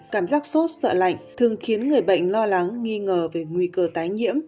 cảm giác sốt sợ lạnh thường khiến người bệnh lo lắng nghi ngờ về nguy cơ tái nhiễm